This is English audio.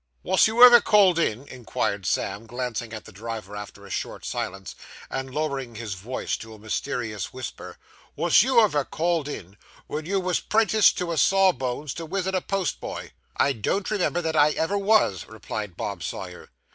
'Wos you ever called in,' inquired Sam, glancing at the driver, after a short silence, and lowering his voice to a mysterious whisper 'wos you ever called in, when you wos 'prentice to a sawbones, to wisit a postboy.' 'I don't remember that I ever was,' replied Bob Sawyer.